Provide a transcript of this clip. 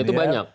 dan itu banyak